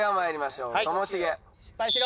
失敗しろ。